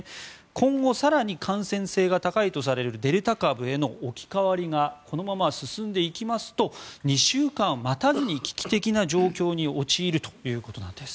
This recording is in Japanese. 今後、更に感染性が高いとされるデルタ株への置き換わりがこのまま進んでいきますと２週間待たずに危機的な状況に陥るということなんです。